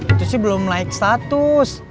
itu sih belum naik status